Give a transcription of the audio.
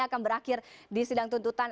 akan berakhir di sidang tuntutan